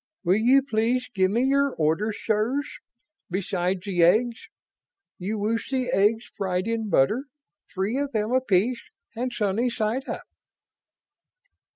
Will you please give me your orders, sirs, besides the eggs? You wish the eggs fried in butter three of them apiece and sunny side up."